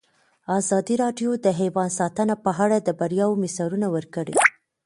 ازادي راډیو د حیوان ساتنه په اړه د بریاوو مثالونه ورکړي.